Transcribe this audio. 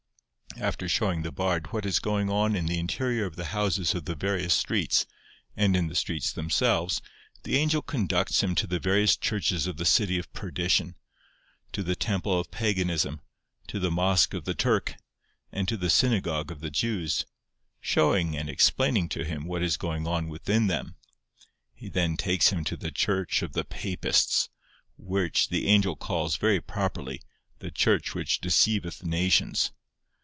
After showing the Bard what is going on in the interior of the houses of the various streets, and in the streets themselves, the angel conducts him to the various churches of the City of Perdition: to the temple of Paganism, to the mosque of the Turk, and to the synagogue of the Jews; showing and explaining to him what is going on within them. He then takes him to the church of the Papists, which the angel calls, very properly, 'the church which deceiveth nations.